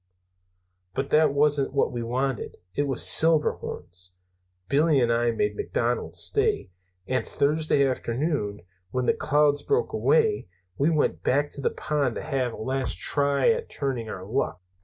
"But that wasn't what we wanted. It was Silverhorns. Billy and I made McDonald stay, and Thursday afternoon, when the clouds broke away, we went back to the pond to have a last try at turning our luck.